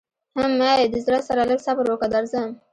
حم ای د زړه سره لږ صبر وکه درځم.